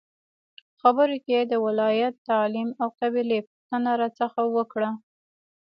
په خبرو کې یې د ولایت، تعلیم او قبیلې پوښتنه راڅخه وکړه.